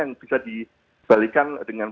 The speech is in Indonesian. yang bisa dikembalikan